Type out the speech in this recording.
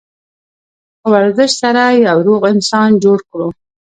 په ورزش سره یو روغ افغانستان جوړ کړو.